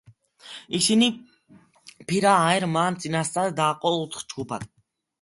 ისინი ფირა-აერ-მა წინასწარ დაყო ოთხ ჯგუფად.